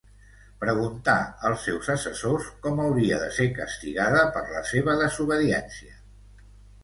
Preguntà als seus assessors com hauria de ser castigada per la seva desobediència.